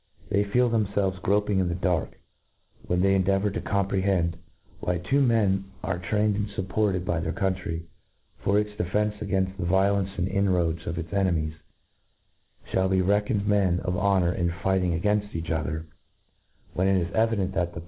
They fieel themfelves gropping in the dark, when they en deavour to comprehend, why two men are train ed and fupported by their country, for its defence againft the violence and inroads of its enemies, /hall be reckoned men of honour in fighting a gainfl each other, when it is evident, that the ^ public 2685851] J06 INTRODUCTION.